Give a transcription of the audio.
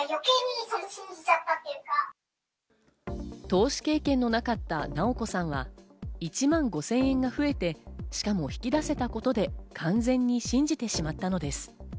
投資経験のなかったなおこさんは１万５０００円が増えて、しかも引き出せたことで完全に信じてしまったのです。